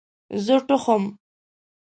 زه ټوخم